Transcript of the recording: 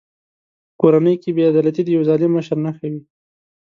په کورنۍ کې بې عدالتي د یوه ظالم مشر نښه وي.